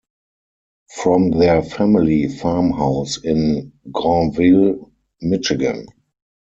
From their family farmhouse in Grandville, Michigan.